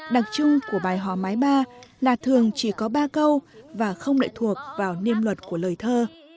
đặc trưng của bài hò mái ba là thường chỉ có ba câu và không lệ thuộc vào niêm luật của lời thơ